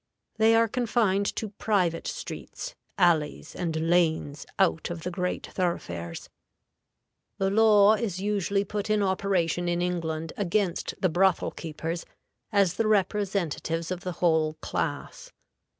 They are confined to private streets, alleys, and lanes out of the great thoroughfares. The law is usually put in operation in England against the brothel keepers as the representatives of the whole class.